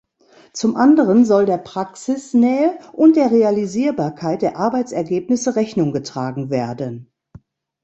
Zum anderen soll der Praxisnähe und der Realisierbarkeit der Arbeitsergebnisse Rechnung getragen werden.